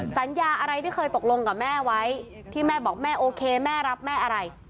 สัญญาอะไรที่เคยตกลงกับแม่ไว้ที่แม่บอกแม่โอเคแม่รับแม่อะไร